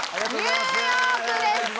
ニューヨークです。